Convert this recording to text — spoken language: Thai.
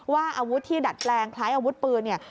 อาวุธที่ดัดแปลงคล้ายอาวุธปืนเนี่ย